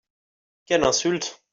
Quelle insulte